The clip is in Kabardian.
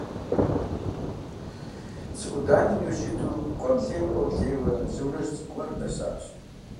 Цы Ӏуданэм и ужь иту кӀуэм-лъейм, кӀуэм-лъейурэ зы унэжь цӀыкӀу гуэрым нэсащ.